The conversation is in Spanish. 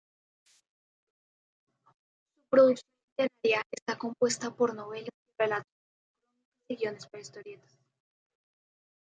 Su producción literaria está compuesta por novelas y relatos, crónicas y guiones para historietas.